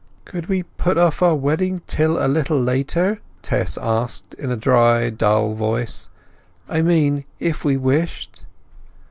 "Could we put off our wedding till a little later?" Tess asked in a dry dull voice. "I mean if we wished?"